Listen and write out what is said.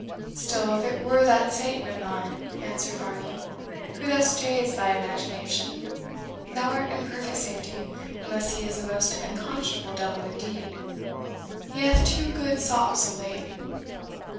"Still, if it were that Satan of thine," answered Varney, "who thus jades thy imagination, thou art in perfect safety, unless he is a most unconscionable devil indeed. He hath had two good sops of late."